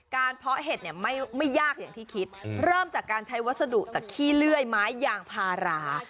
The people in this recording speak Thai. เพาะเห็ดเนี่ยไม่ยากอย่างที่คิดเริ่มจากการใช้วัสดุจากขี้เลื่อยไม้ยางพารา